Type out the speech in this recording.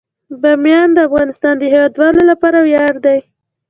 بامیان د افغانستان د هیوادوالو لپاره ویاړ دی.